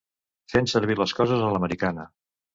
Fent servir les coses a l'americana.